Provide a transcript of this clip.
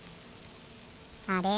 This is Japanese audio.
あれ？